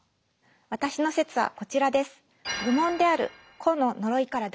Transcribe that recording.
私の説はこちらです。